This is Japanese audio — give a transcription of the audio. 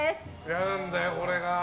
嫌なんだよ、これが。